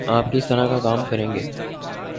آپ کس طرح کا کام کریں گے؟